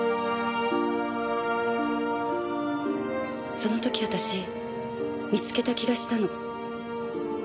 その時私見つけた気がしたの。